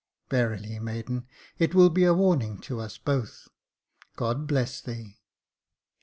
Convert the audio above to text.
" Verily, maiden, it will be a warning to us both, God bless thee